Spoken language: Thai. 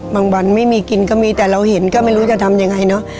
วันไม่มีกินก็มีแต่เราเห็นก็ไม่รู้จะทำยังไงเนอะ